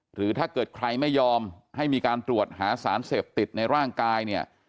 หรือถ้าเกิดใครไม่ยอมให้มีการตรวจหาสารเสพติดในร่างกายเนี่ย